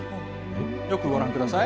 よくご覧ください。